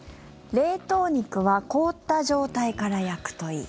冷凍肉は凍った状態から焼くといい。